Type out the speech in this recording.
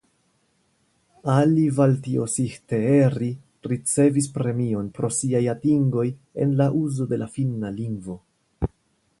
Alivaltiosihteeri ricevis premion pro siaj atingoj en la uzo de la finna lingvo.